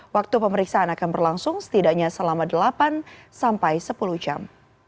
waktu pemeriksaan akan berlangsung setidaknya selama delapan sampai sepuluh jam